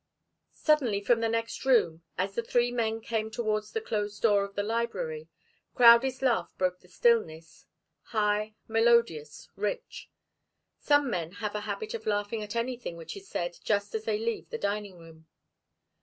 Suddenly, from the next room, as the three men came towards the closed door of the library, Crowdie's laugh broke the stillness, high, melodious, rich. Some men have a habit of laughing at anything which is said just as they leave the dining room.